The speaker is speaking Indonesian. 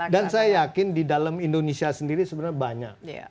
dan saya yakin di dalam indonesia sendiri sebenarnya banyak